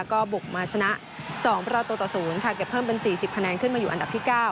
ก็บุกมาชนะ๒ประตูต่อ๐ค่ะเก็บเพิ่มเป็น๔๐คะแนนขึ้นมาอยู่อันดับที่๙